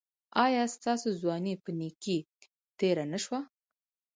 ایا ستاسو ځواني په نیکۍ تیره نه شوه؟